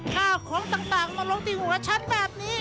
ข้าวของต่างมาลงที่หัวฉันแบบนี้